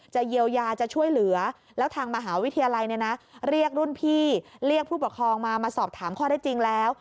เยียวยาจะช่วยเหลือแล้วทางมหาวิทยาลัยเนี่ยนะเรียกรุ่นพี่เรียกผู้ปกครองมามาสอบถามข้อได้จริงแล้ว